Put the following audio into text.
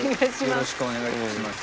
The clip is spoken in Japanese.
よろしくお願いします。